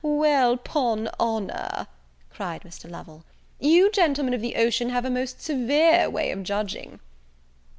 "He, he, he! well, 'pon honour," cried Mr. Lovel, "you gentlemen of the ocean have a most severe way of judging."